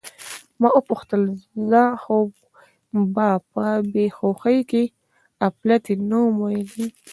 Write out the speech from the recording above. ما وپوښتل: زه خو به په بې هوښۍ کې اپلتې نه وم ویلي؟